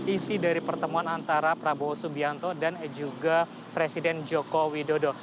isi dari pertemuan antara prabowo subianto dan juga presiden joko widodo